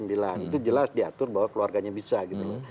itu jelas diatur bahwa keluarganya bisa gitu loh